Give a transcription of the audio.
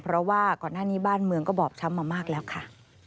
เพราะว่าก่อนหน้านี้บ้านเมืองก็บอบช้ำมามากแล้วค่ะ